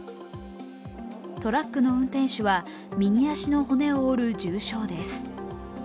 トラックの運転手は右足の骨を折る重傷です。